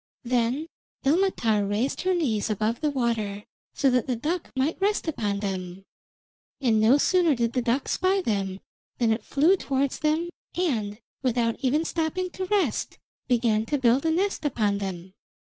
Then Ilmatar raised her knees above the water, so that the duck might rest upon them; and no sooner did the duck spy them than it flew towards them and, without even stopping to rest, began to build a nest upon them.